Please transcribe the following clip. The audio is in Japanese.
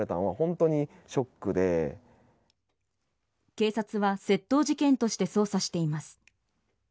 警察は窃盗事件として捜査しています。